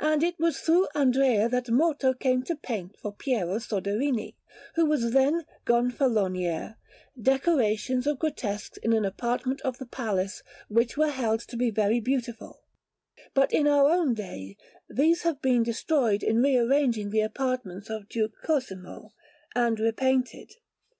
And it was through Andrea that Morto came to paint for Piero Soderini, who was then Gonfalonier, decorations of grotesques in an apartment of the Palace, which were held to be very beautiful; but in our own day these have been destroyed in rearranging the apartments of Duke Cosimo, and repainted.